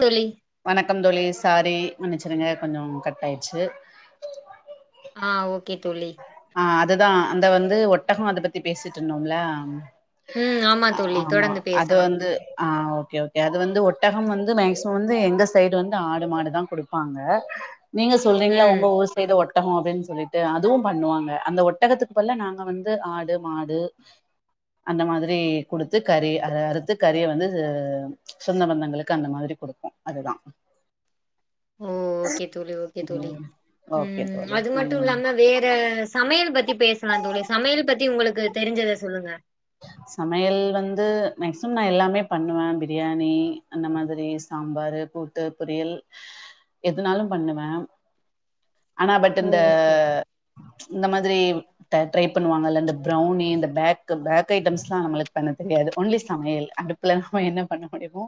தோழி வணக்கம் தோழி சாரி மன்னிசுருங்க கொஞ்சோ கட் ஆயிடுச்சு ஆ ஓகே தோழி ஆ அதுதா அந்த வந்து ஒட்டகோ அத பத்தி பேசிட்ருந்தோம்ல ம் ஆமா தோழி ஆமா தொடர்ந்து அது பேசலா வந்து ஆ ஓகே ஓகே அது வந்து ஒட்டகம் வந்து மேக்சிமம் வந்து எங்க சைடு வந்து ஆடு மாடுதா குடுப்பாங்க நீங்க சொல்றீங்ள ம் உங்க ஊர் சைடு ஒட்டகோ அப்டின் சொல்லிட்டு அதும் பண்ணுவாங்க அந்த ஒட்டகத்துக்கு பல்ல நாங்க வந்து ஆடு மாடு அந்த மாதிரி குடுத்து கறி அ அறுத்து கறிய வந்து சொந்த பந்தங்களுக்கு அந்த மாதிரி குடுக்கு அதுதா ஓ ஓகே தோழி ஓகே தோழி ஓகே ம் தோழி அது மட்டு ம் இல்லாம வேற சமையல் பத்தி பேஸ்லா தோழி சமையல் பத்தி உங்களுக்கு தெரிஞ்சத சொல்லுங்க சமையல் வந்து மேக்சிமம் நா எல்லாமே பண்ணுவே பிரியாணி அந்த மாதிரி சாம்பாரு கூட்டு பொரியல் எதுனாலு பண்ணுவ ஆனா பட் ஓ இந்த ஓகே ஓகே இந்த மாதிரி ட ட்ரை பண்ணுவாங்கல்ல இந்த ப்ரொவ்னி இந்த பேக் க பேக் ஐட்டம்ஸ்லா நம்மளுக்கு பண்ண தெரியாது ஓன்லி சமையல் அடுப்புல நம்ம என்ன பண்ண முடியுமோ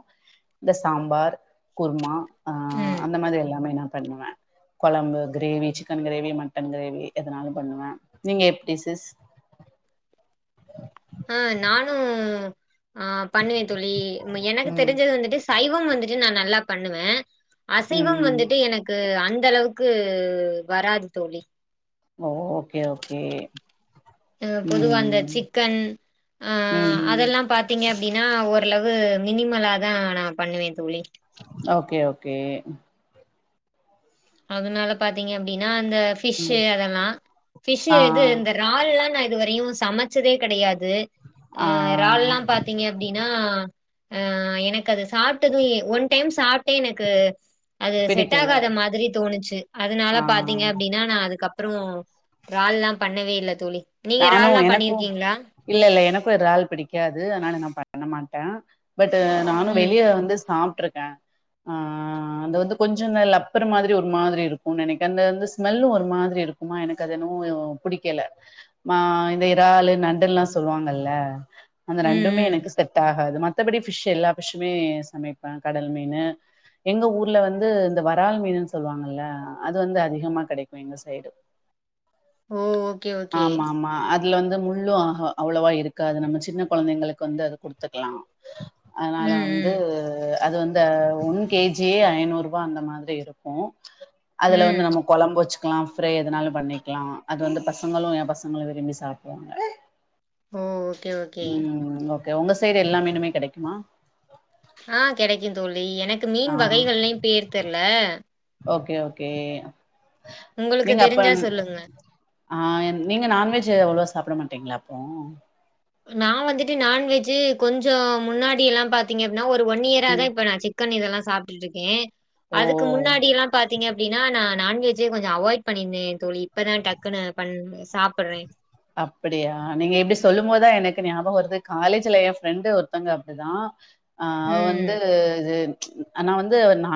இந்த சாம்பார் குர்மா ஆ ம் அந்த மாதிரி எல்லாமே நா பண்ணுவே கொழம்பு gravy chicken gravy mutton gravy எதனாலு பண்ணுவே நீங்க எப்டி சிஸ் ஆ நானு ஆ பண்ணுவே தோழி எனக்கு ம் தெரிஞ்சது வந்துட்டு சைவம் வந்துட்டு நா நல்லா பண்ணுவே அசைவம் ம் வந்துட்டு எனக் கு அந்த அளவுக்கு வராது தோழி ஓ ஓகே ஓகே அ பொதுவா அந்த ம் சிக்கன் அ ம் அதெல்லா பாத் தீங்க அப்டின்னா ஓரளவு மினிமலா தா நா பண்ணுவே தோழி ஓகே ஓகே அதனால பாத்தீங்க அப்டின்னா அந்த ம் ஃபிஷூ அதெல்லா ஃபிஷூ ஆ இது இந்த இறால்லா நா இதுவரையு சமைச்சதே கெடயாது ஆ இறால்லா பாத் தீங்க அப்டின்னா ஆ எனக்கு அது சாப்ட்டது எ ஒன் டைம் சாப்ட்டே எனக்கு அது செட் பிடிக்கல ஆகாத மாதிரி தோணுச்சு அதனால ஆ பாத்தீங்க அப்டின்னா நா அதுக்கப் றோ இறால்லா பண்ணவே இல்ல தோழி நீங்க நானு இறால்லா எனக்கு பண்ணிருக்கீங்களா இல்ல இல்ல எனக்கு இறால் பிடிக்காது அனால நா பண்ண மாட்டே பட்டு நானு ம் வெளிய வந்து சாப்ட்டுருக்கே ஆ ஆ அது வந்து கொஞ்சோ இந்த லப்பர் மாதிரி ஒரு மாதிரி இருக்குன் நெனைக்கே அந்த வந்து ஸ்மெல்லு ஒரு மாதிரி இருக் குமா எனக்கு அது என்னவோ பிடிக்கல மா இந்த இறாலு நண்டுல்லா சொல்லுவாங்கல்ல அந்த ம் நண்டுமே ம் எனக்கு செட்டா காது மத்தபடி பிஷ் எல்லா பிஷ்மே சமைப்பே கடல் மீனு எங்க ஊர்ல வந்து இந்த வறால் மீனுன் சொல்வாங்கல்ல அது வந்து அதிகமா கெடைக்கு எங்க சைடு ஓ ஓகே ஓகே. ஆமா மா அதுல வந்து முள்ளு ஆக அவ்வளவா இருக்காது நம்ம சின்ன கொழந்தைங்களுக்கு வந்து அது குடுத்துக்லா ம் அனால வந்து ம் அது வந்து அ ஒன் கே ஜியே ஐநூற் ரூபா அந்த மாதிரி இருக்கு அதுல வந்து ம். நம்ம கொழம்பு வச்சுக்லா ஃப்ரை எதுனாலு பண்ணிக்லா அது வந்து பசங்களு எ பசங் ங்களு விரும்பி சாப்படுவாங்க ஓ ஓகே ஓகே. ம் ஓ ஓகே உங்க சைடு எல்லா மீனுமே கெடைக்குமா ஆ கெடைக்குந் தோழி எனக்கு ஆ மீன் வகைகள்லயு பேர் தெர்ல ஓகே ஓகே உங்களுக்கு நீங்க அப்ப தெரிஞ்சா சொல்லுங்க. ஆ நீங்க நான்வெஜ் அவ்ளவா சாப்ட மாட்டீங்களா அப்போ நா வந்துட்டு நான்வெஜ்ஜூ கொஞ்சோ முன்னாடி எல்லா பாத்தீங்க அப்டின்னா ஒரு ஒன் இயரா தா ம் இப்ப நா சிக் சிக்கன் இதெல்லா சாப்ட்டுட்டு இருக்கே ஓ அதுக்கு முன்னாடிலா பாத்தீங்க அப்டின்னா நா நான் வெஜ்ஜே கொஞ்சோ அவாய்ட் பண்ணிருந்தே தோழி இப்பதா டக்குன்னு பண் சாப்ட்றே அப்டியா நீங்க இப்டி சொல்லும் போதா எனக்கு ஞாபகோ வருது காலேஜ்ல எ ஃப்ரெண்டு ஒருத்தங்க அப்டி தா ஆ அவ வந்து ம் இது ஆனா வந்து நா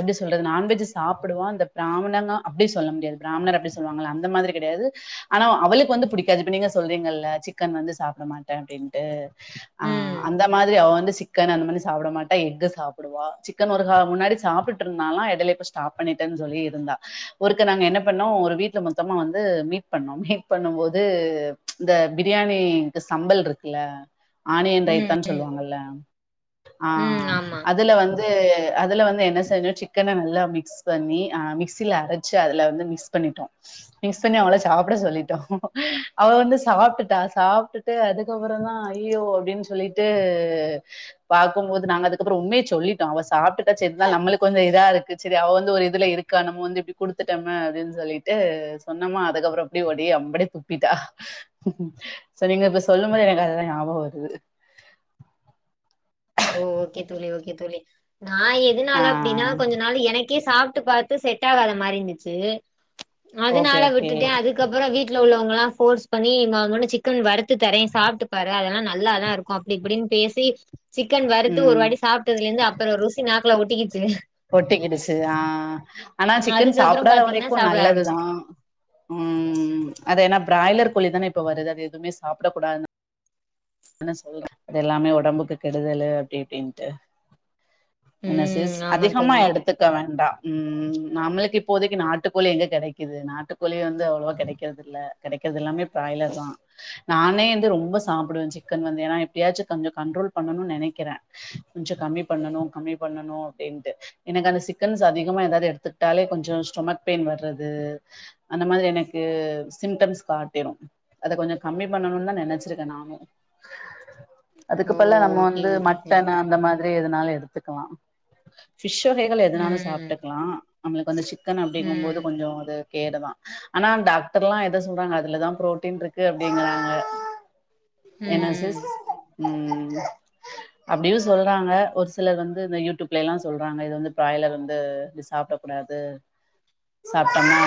எப்டி சொல்றது நான்வெஜ் சாப்புடுவா இந்த பிராமணனா அப்டி சொல்ல முடியாது பிராமணர் அப்டி சொல்லுவாங்கல்ல அந்த மாதிரி கெடயாது ஆனா அவளுக்கு வந்து புடிக்காது இப்ப நீங்க சொல்றீங்கல்ல சிக்கன் வந்து சாப்ட மாட்டே அப்டின்ட்டு ஆ ம் அந்த மாதிரி அவ வந்து சிக் சிக்கன் அந்த மாதி சாப்ட மாட்டா எக்க சாப்டுவா சிக்கன் ஒரு கா முன்னாடி சாப்ட்டு இருந்தாலா எடைல இப்ப ஸ் ஸ்டாப் பண்ணிட்டேன் சொல்லி இருந்தா ஒருக்க நாங்க என்ன பண்ணோ ஒரு வீட்ல மொத்தமா வந்து மீட் பண்ணோ மீட் பண்ணும் போது இது இந்த பிரியாணிக்கு சம்பல் இருக்குல்ல ஆனியன் ம் ரைத்தான் ம் சொல்லுவாங்கல்ல ஆ ம் ஆமா. அதுல வந் து அதுல வந்து என்ன செஞ்சோ சிக்கன நல்லா மிக்ஸ் ஸ் பண்ணி ஆ மிக்சில அரச்சு அதுல வந்து மிக்ஸ் பண்ணிட்டோ மிக்ஸ் பண்ணி அவள சாப்ட சொல்லிட்டோ அவ வந்து சாப்ட்டுட்டா சாப்ட்டுட்டு அதுக்கப்புறந்தா ஐயோ அப்டின் சொல்லிட்டு பாக்கும்போது நாங்க அதுக்கப்றோ உண்மைய சொல்லிட்டோ அவ சாப்ட்டுட்டா சரிதா நம்மளுக்கு வந்து இதா இருக்கு சரி அவ வந்து ஒரு இதுல இருக் க்கான மூஞ்ச இப்டி குடுத்துட்டமே அப்டின்னு சொல்லிட்டு சொன்னமா அதுக்கப்றோ அப்டி ஓடி அம்படியே துப் பிட்டா சோ நீங்க இப்ப சொல்லும் போது எனக்கு அதெல்லா ஞாபகம் வருது ஓ ஓக்கே தோழி ஓக்கே தோழி நா ஆ எதுனால அப்டின்னா கொஞ்ச நாள் எனக்கே சாப்ட்டு பாத்து செட் ஆகாத மாறி இருந்துச்சு ஓகே அதுனால ஓகே விட்டுட்டே அதுக் அதுக்கப்றோ வீட்ல உள்ளவங்க எல்லா ஃபோர்ஸ் பண்ணி நா வனா சிக்கன் வறுத்து தரே சாப்ட்டுப்பாரு அதெல்லா நல்லா தா இருக் அப்டி இப்டின்னு பேசி சிக்கன் வறுத்து ஒரு ம் வாட்டி சாப்ட்டதுல இருந்து அப்றோ ருசி நாக்ல ஒட்டிக்கிச்சு ஒட்டிக்கிடுச்சு ஆ ஆனா சிக்கன் அதுக்கப்புறம் சாப்பிடாத பாத்தீங்கன்னா வரைக்கு சாப்ட நல்லதுதா ஆரம்பிச்சேன். உம் அது ஏனா பிராய்லர் கோழிதான இப்ப வருது அது எதுமே சாப்பிட கூடாது பண்ண சொல்றே அது எல்லாமே உடம்புக்கு கெடுதலு அப்டி இப்டின்ட்டு என்ன ம் ரிஸ்க் ஆமா தோழி. எடுத்துக்க வேண்டா ம் நம்மளுக்கு இப்போதைக்கு நாட்டுக்கோழி எங்க கிடைக்குது நாட்டு கோழியு வந்து அவ்வளவா கிடைக்கிறதில்ல கிடைக்கறது எல்லாமே பிராய்லர் தா நானே வந்து ரொம்ப சாப்பிடுவே சிக்கன் வந்து ஏன்னா எப்படியாச்சு கொஞ்சோ கண்ட்ரோல் பண்ணணும்னு நெனைக்கிறே கொஞ்சோ கம்மி பண்ணணு கம்மி பண்ணனு அப்டின்ட்டு எனக்கு அந்த சிக்கன்ஸ் அதிகமா ஏதாவது எடுத்துட்டாலே கொஞ்சோ ஸ்டொமக் பெயின் வர்றது அந்த மாதிரி எனக்கு சிம்டம்ஸ் காட்டிரு அத கொஞ்சோ கம்மி பண்ணணும்னு தா நெனைச்சிருக்கே நானும் அதுக்கு ஓ! பல்லா நம்ம ஓகே, வந்து ஓகே தோழி. மட்டன் அந்த மாதிரி எதுனாலு எடுத்துக்கலா பிஷ் வகைகள் எதுனாலு ம், சாப்ட்டுக்கலா நம்மளுக்கு வந்து சிக்கன் ம், அப்டிங்கும்போது ம், கொஞ்சோ அது கேடுதா ஆனா டாக்டர்லா எத சொல்றாங்க அதுலதா புரோட்டீன் இருக்கு அப்படிங்றாங்க என்னா ம், சிஸ் உம் அப்டியு சொல்றாங்க ஒரு சிலர் வந்து இந்த யூட்யூப் ப்ல. எல்லா சொல்றாங்க இது வந்து பிராய்லர் வந்து இது சாப்டக் கூடாது சாப்ட்டம்னா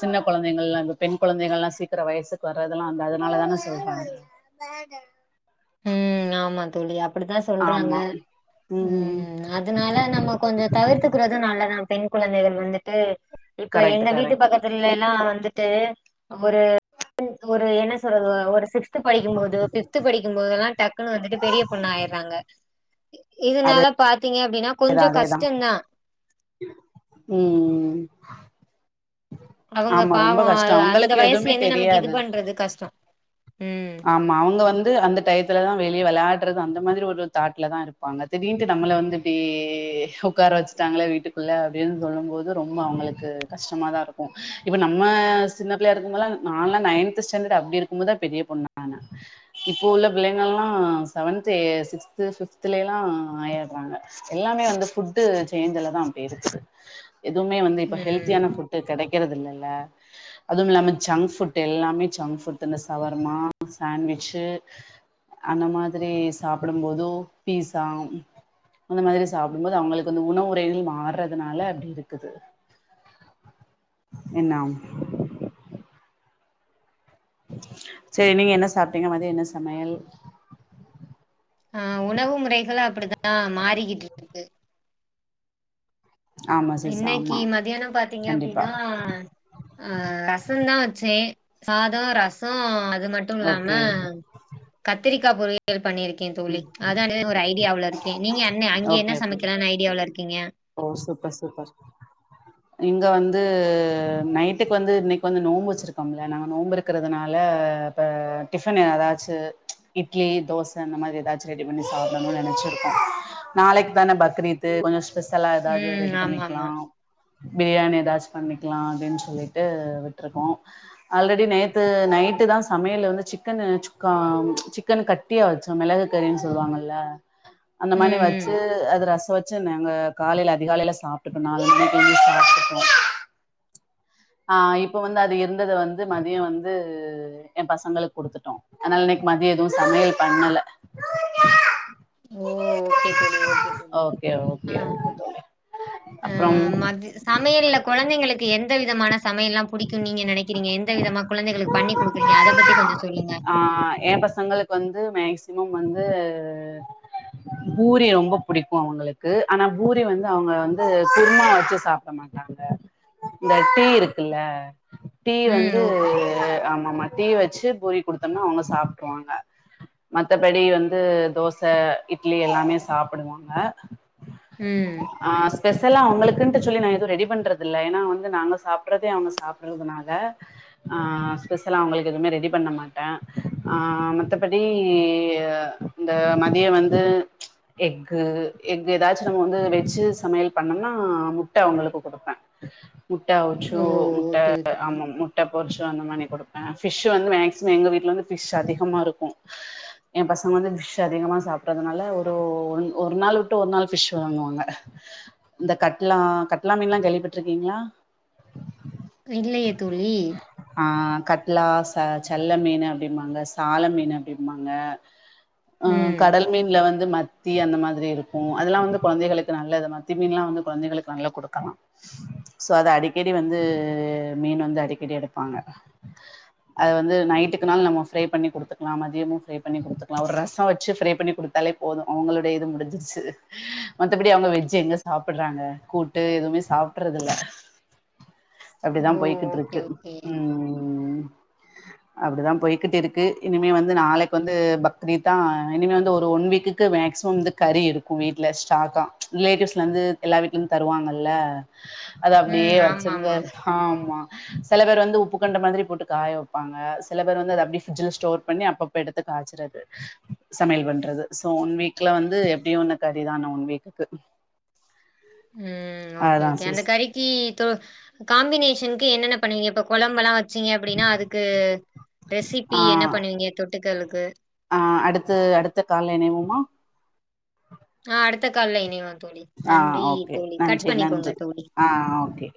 சின்ன குழந்தைகள்லா பெண் குழந்தைகள் எல்லா சீக்கிரோ வயசுக்கு வரதெல்லா அந்த அதனால தானே சொல்றாங்க ம் ஆமா தோழி அப்டிதா சொல்றாங்க ஆமா ம் உம் அதனால நம்ம கொஞ்சோ தவிர்த்துக்கிறதும் நல்லதுதா பெண் குழந்தைகள் வந்துட்டு இப்ல கரெக்ட் எங்க வீட்டு கரெக்ட் பக்கத்துல எல்லா வந்துட்டு ஒரு ஒரு என்ன சொல்றது ஒரு சிக்ஸ்த் படிக்கும்போதோ பிப்த்து படி படிக்கும் போதெல்லா டக்குன்னு வந்துட்டு பெரிய பொண்ணா ஆயிர்றாங்க இதனால பாத்தீங்க அப்டின்னா அதேதா கொஞ்சம் அதேதா கஷ்டம் தான். உம் அவங்க பாவோ அந்த வயசுல எதுவுமே இருந்தே நமக்கு இது தெரியாது பண்றது கஷ்டோ ம் ஆமா அவங்க வந்து அந்த டயத்துலதா வெளிய விளாட்டுறது அந்த மாறி ஒரு தாட்ல தா இருப்பாங்க திடீர்ன்டு நம்மள வந்து இப்டி உட்கார வச்சுட்டாங்களே வீட்டுக்குள்ள அப்டின்னு சொல்லும் போது ரொம்ப அவங்களுக்கு கஷ்டமாதா இருக்கும் இப்ப நம்ம சின்ன பிள்ளையா இருக்குபோதல்லா நால்லா நையன்த் ஸ்டேண்டர்ட் அப்டி இருக்கும் போதுதா பெரிய பொண்ணு ஆனே இப்போ உள்ள பிள்ளைங்க எல்லா செவன்த் சிக்ஸ்து பிப்துல எல்லா ஆயிற்றாங்க எல்லாமே வந்து ஃபுட்டு சேஞ்சுலதா அப்டி இருக்குது எதுவுமே வந்து இப்ப ம். ஹெல்த்தியான ஃபுட் டு கிடைக்கிறது இல்ல இல்ல அதுவு இல்லாம ஜங்க்புட் எல்லாமே ஜங்க்பட் இந்த சவர்மா ஷேன் வெச்சு அந்த மாதிரி சாப்டும் போதோ பீஸா அந்த மாதிரி சாப்பிடுபோது அவங்களுக்கு வந்து உணவு முறைகள் மாறுறதுனால அப்டி இருக்குது என்னாம் சேரி நீங்க என்ன சாப்ட்டீங்க மதிய என்ன சமையல் ஆ உணவு முறைகள் அப்படித்தா மாறிக்கிட்டு இரு ஆமா சிஸ் இன்னைக்கு ஆமா மதியானம் பாத்தீங்க கண்டிப்பா அப்டின்னா ஆ ரசந்தா வச்சே சாதம் ரசோ அது மட்டு இல்லாம ஓகே கத்திரிக்கா பொரியல் யல் பண்ணிருக்கே தோழி அதானது ஒரு ஐடியாவுல இருக்கே நீங்க என்ன அங்க ஓகே என்ன ஓகே சமைக்கலாம்னு ஐடியாவுல இருக்கீங்க ஓ சூப்பர் சூப்பர் இங்கே வந்து நைட்டுக்கு வந்து இன்னைக்கு வந்து நோன்ம்பு வச்சுருக்கோம்ல நாங்க நோம்பு வெச்சுருக்கிறதுனால இப்ப டிஃபன் ஏதாச்சு இட்லி தோசை இந்த மாதிரி ஏதாச்சும் ரெடி பண்ணி சாப்பிடணும்னு நினைச்சிருக்கோம் நாளைக்கு தானே பக்ரீது கொஞ்சம் ஸ்பெஷலா ஏதாவது ம் ரெடி ஆமா ஆமா பண்ணிக்கலாம் பிரியாணி ஏதாச்சும் பண்ணிக்கலாம் அப்படின்னு சொல்லிட்டு விட்டுருக்கோம் ஆல்ரெடி நேத்து நைட்டு தான் சமையல வந்து சிக்கன் சுக்கா சிக்கன் கட்டியா வச்சோம் மிளகு கறின்னு சொல்லுவாங்கல்ல அந்த மாறி ம் ம் வச்சு அது ரசம் வச்சு நாங்க காலைல அதிகாலல சாப்பிட்டுட்டோ நாலுமணிக்கு சாப்பிட்டுட்டோம் ஆ இப்ப வந்து அது இருந்தத வந்து மதியம் வந்து என் பசங்களுக்கு குடுத்துட்டோம் அதனால இன்னைக்கு மதியம் எதுவும் சமையல் பண்ணல ஓ ஓகே தோழி ஓகே தோழி ஓகே ஆ ஓகே தோழி அப்புறம் சமையல குழந்தைங்களுக்கு எந்த விதமான சமையல்லாம் புடிக்கும் நீங்க நினைக்கிறீங்க எந்த விதமா குழ குழந்தைங்களுக்கு பண்ணி கொடுக்குறீங்க அதை பத்தி கொஞ்சம் சொல்லுங்க ஆ என் பசங்களுக்கு வந்து மேக்சிமம் வந்து பூரி ரொம்ப புடிக்கும் அவங்களுக்கு ஆனா பூரி வந்து அவங்க வந்து குருமா வச்சு சாப்பிட மாட்டங்க இந்த டீ இருக்குல்ல டீ ம் வந்து ஓகே ஓகே ஆமாமா டீ வச்சு பூரி குடுத்தோம்னா அவங்க சாப்ட்றுவாங்க மத்தபடி வந்து தோசை இட்லி எல்லாமே சாப்பிடுவாங்க ம் ஆ ஸ்பெஷலா அவங்களுக்குன்னட்டு சொல்லி நான் எதுவும் ரெடி பண்றது இல்ல ஏன்னா வந்து நாங்க சாப்படுறதே அவங்க சாப்பிடுறதுனால ஸ்பெஷலா அவங்களுக்கு எதுவும் ரெடி பண்ண மாட்டேன் மத்தபடி இந்த மதியம் வந்து எக்கு எக்கு ஏதாச்சும் நம்ம வந்து வெஜ் சமையல் பண்ணோம்னா முட்டை அவங்களுக்கு கொடுப்பேன் முட்டை அவுச்சு ஓ முட்டை ஓகே ஓகே ஆமாமா பொச்ச அந்த மாதிரி கொடுப்பேன் ஃபிஷ் வந்து மேக்சிமம் எங்க வீட்டுல வந்து ஃபிஷ் அதிகமா இருக்கும் என் பசங்க வந்து ஃபிஷ் அதிகமா சாப்படுறதுனால ஒரு ஒரு நாள் விட்டு ஒரு நாள் ஃபிஷ் வாங்குவாங்க இந்த கட்லா கட்லா மீன்ல்லாம் கேளிவிப்பட்டட்டுருக்கீங்களா இல்லையே தோழி ஆ கட்லா ச செல்ல மீன் அப்படிம்பாங்க சாலை மீன் அப்படிம்பாங்க அ ம் கடல் மீன்ல வந்து மத்தி அந்த மாதிரி இருக்கும் அதெல்லாம் வந்து குழந்தைகளுக்கு நல்லது மத்தி மீன்லாம் வந்து குழந்தைகளுக்கு கொடுக்கலாம் சோ அது அடிக்கடி வந்து மீன் வந்து அடிக்க டி எடுப்பாங்க அது வந்து நைட்டுக்குனாலு நம்ம ஃப்ரை பண்ணி கொடுத்துக்கலாம் மதியம ஃப்ரை பண்ணி கொடுத்துக்கலாம் ஒரு ரசம் வச்சு ஃப்ரை பண்ணி கொடுக்க தாலே போதும் அவங்களோட‌இது முடிஞ்சிருச்சு மத்தபடி அவங்க வெஜ் எங்க சாப்பிட்றாங்க கூட்டு எதுவுமே சாப்பிடடறது இல்ல அப்டித்தா ஓ ஓகே போய்கிட்ருக்கு ஓகே ம் அப்படிதான போய்கிட்டுருக்கு இனிமே வந்து நாளைக்கு வந்து பக்ரிதா இனிமே வந்து ஒரு ஒன் வீக்குக்கு மேக்சிமம் வந் கறி இருக்கு வீட்ல ஸ்டாக்கா ரிலேட்டிவ்ஸ்லருந்து எல்லா வீட்லிந் தருவாங்கல்ல அது ம் அப்டியே வச்சிருந்து ஆமாமா. ஆமா சில பேர் வந்து உப்புக்கண்ட மாதிரி போட்டு காய வெப்பாங்க சில பேர் வந்து அதை அப்டே ஃப்ரிட்ஜில ஸாடோர் பண்ணி அப்பப்ப எடுத்து காய்ச்சறது சமையல் பண்றது சோ ஒன் வீக்ல வந்து எப்டியு ஒன்னு கறிதா இன்னு ஒன் வீக்குக்கு ம் ஓகே அதா ஓகே அந்த சிஸ் கறி கி தோ காம்பினேஷனுக்கு என்னென்ன பண்ணுவி இப்ப கொழம்பெலா வெச்சீங்க அப்படினா அதுக்கு ரெசிபி என்ன பண்ணுவீங்க தொட்டுக்களுக்கு அ அடுத்து அடுத்த கால்ல இணைவோமா ஆ அடுத்த கால்ல இணைவோ தோழி ஆ நன்றி ஓகே தோழி கட் நன்றி பண்ணிக்கோங்க நன்றி தோழி ஆ ஓகே